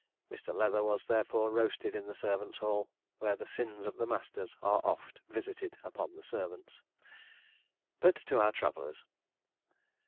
Mr. Leather was, therefore, roasted in the servants' hall, where the sins of the masters are oft visited upon the servants. But to our travellers.